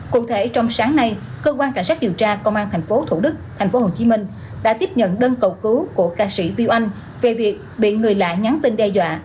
cụ thể trong sáng nay cơ quan cảnh sát điều tra công an tp thủ đức tp hcm đã tiếp nhận đơn cầu cứu của ca sĩ viu anh về việc bị người lạ nhắn tin đe dọa